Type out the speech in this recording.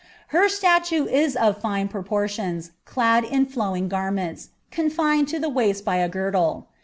Her statue is of fine proportions, clad in fiowing garment to the waist by a girdle.